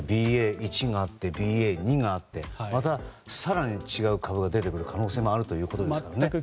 ＢＡ．１があってＢＡ．２があってまた更に違う株が出てくる可能性があるということですね。